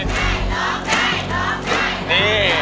ร้องได้ร้องได้ร้องได้